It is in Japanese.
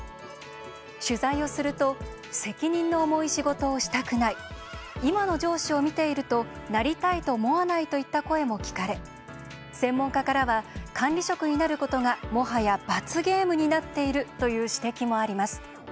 取材をすると「責任の重い仕事をしたくない」「今の上司を見ているとなりたいと思わない」といった声も聞かれ専門家からは管理職になることがもはや罰ゲームになっているという指摘もあります。